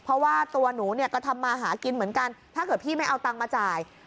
เพราะว่าตัวหนูเนี่ยก็ทำมาหากินเหมือนกันถ้าเกิดพี่ไม่เอาตังค์มาจ่าย